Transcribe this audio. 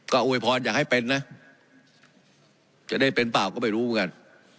ก็อวยพรอยากให้เป็นนะจะได้เป็นเปล่าก็ไม่รู้เหมือนกัน